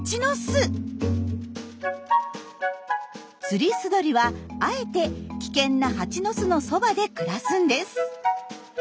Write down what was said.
ツリスドリはあえて危険なハチの巣のそばで暮らすんです。